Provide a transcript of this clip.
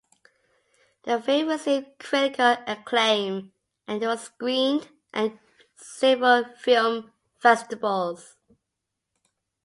The film received critical acclaim and was screened at several film festivals.